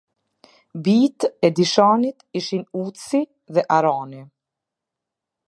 Bijtë e Dishanit ishin Utsi dhe Arani.